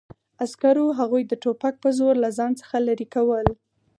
عسکرو هغوی د ټوپک په زور له ځان څخه لرې کول